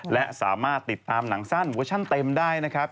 และสามารถติดตามหนังสั้นเวอร์ชั่นเต็มได้นะครับ